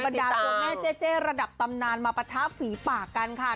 บรรดาตัวแม่เจ๊ระดับตำนานมาประทับฝีปาการค่ะ